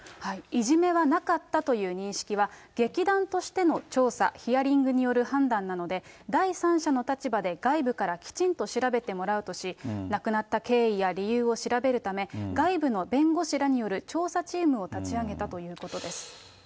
いじめはなかったという認識は、劇団としての調査、ヒアリングによる判断なので、第三者の立場で外部からきちんと調べてもらうとし、亡くなった経緯や理由を調べるため、外部の弁護士らによる調査チームを立ち上げたということです。